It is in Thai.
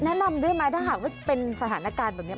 แนะนำด้วยไหมถ้าหากว่าเป็นสถานการณ์แบบนี้